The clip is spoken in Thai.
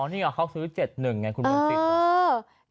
อ๋อนี่เหรอเขาซื้อ๗๑ไงคุณมนศิษย์